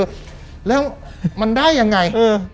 แล้วแล้วมันได้ยังไง